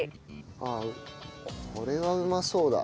あっこれはうまそうだ。